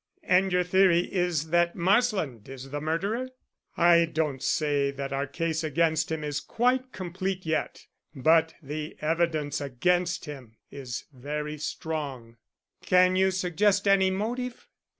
"And your theory is that Marsland is the murderer?" "I don't say that our case against him is quite complete yet, but the evidence against him is very strong." "Can you suggest any motive?"